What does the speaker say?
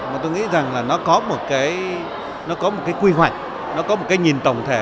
mà tôi nghĩ rằng là nó có một cái quy hoạch nó có một cái nhìn tổng thể